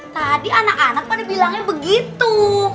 tadi anak anak pada bilangnya begitu